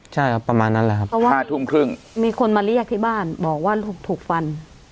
ใช่ครับประมาณนั้นแหละครับเพราะว่า๕ทุ่มครึ่งมีคนมาเรียกที่บ้านบอกว่าลูกถูกฟัน